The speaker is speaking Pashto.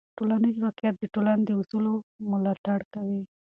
ټولنیز واقیعت د ټولنې د اصولو ملاتړ کوي.